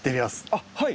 あっはい。